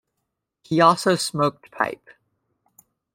He also smoked pipe.